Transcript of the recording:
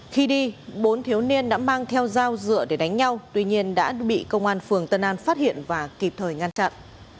khi đi bốn thiếu niên đã mang theo dao dựa để đánh nhau tuy nhiên đã bị công an phường tân an phát hiện và kịp thời ngăn chặn